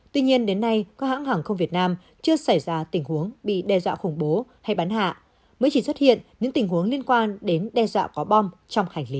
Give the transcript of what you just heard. tuy nhiên đến nay các hãng hàng không việt nam chưa xảy ra tình huống bị đe dọa khủng bố hay bắn hạ mới chỉ xuất hiện những tình huống liên quan đến đe dọa có bom trong hành lý